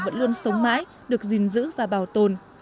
vẫn luôn sống mãi được gìn giữ và bảo tồn